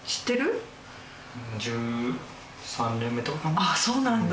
ああそうなんだ。